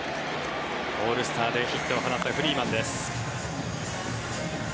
オールスターでヒットを放ったフリーマンです。